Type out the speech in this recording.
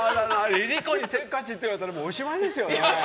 ＬｉＬｉＣｏにせっかちって言われたらおしまいですよ。